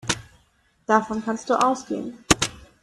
Davon kannst du ausgehen.